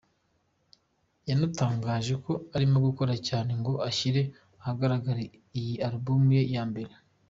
Yanatangaje ko arimo gukora cyane ngo ashyire ahagaragara iyi Album ye ya mbere.